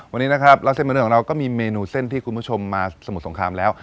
วันนี้นะครับเล่าเส้นเป็นเรื่องของเราก็มีเมนูเส้นที่คุณผู้ชมมาสมุทรสงครามแล้ว